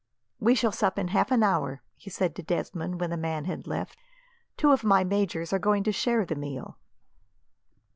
"We shall sup in half an hour," he said to Desmond, when the man had left. "Two of my majors are going to share the meal."